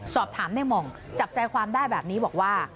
สอบถามในหม่องจับใจความได้แบบนี้บอกว่า